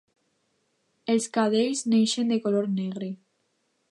Els cadells neixen de color negre.